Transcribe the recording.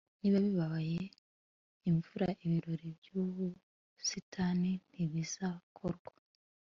niba bibaye imvura, ibirori byubusitani ntibizakorwa